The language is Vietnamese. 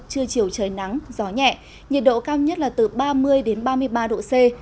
trưa chiều trời nắng gió nhẹ nhiệt độ cao nhất là từ ba mươi ba mươi ba độ c